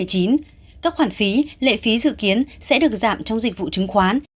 các khoản phí lệ phí dự kiến sẽ được giảm trong dịch vụ chứng khoán